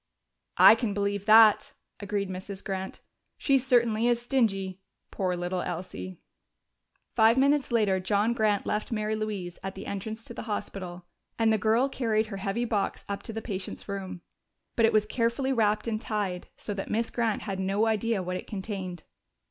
"I can believe that," agreed Mrs. Grant. "She certainly is stingy. Poor little Elsie!" Five minutes later John Grant left Mary Louise at the entrance to the hospital, and the girl carried her heavy box up to the patient's room. But it was carefully wrapped and tied, so that Miss Grant had no idea what it contained.